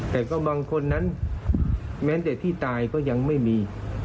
แต่ก็บางคนนั้นแม้แต่ที่ตายก็ยังไม่มี